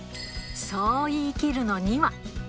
そう言い切るのには。